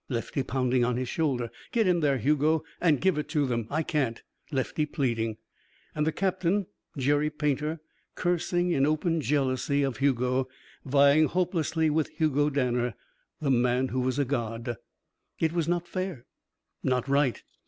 Lefty pounding on his shoulder. "Go in there, Hugo, and give it to them. I can't." Lefty pleading. And the captain, Jerry Painter, cursing in open jealousy of Hugo, vying hopelessly with Hugo Danner, the man who was a god. It was not fair. Not right.